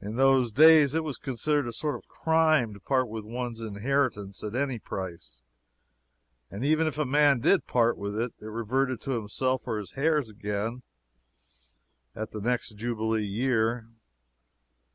In those days it was considered a sort of crime to part with one's inheritance at any price and even if a man did part with it, it reverted to himself or his heirs again at the next jubilee year.